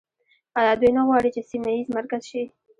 آیا دوی نه غواړي چې سیمه ییز مرکز شي؟